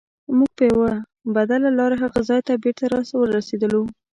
موږ په یوه بدله لار هغه ځای ته بېرته راورسیدلو.